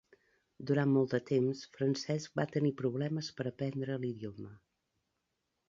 Durant molt de temps, Francesc va tenir problemes per aprendre l'idioma.